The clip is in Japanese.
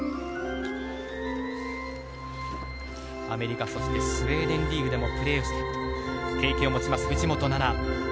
アメリカ、そしてスウェーデンリーグでもプレーした経験を持ちます藤本那菜。